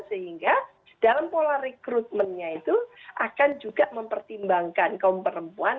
sehingga dalam pola rekrutmennya itu akan juga mempertimbangkan kaum perempuan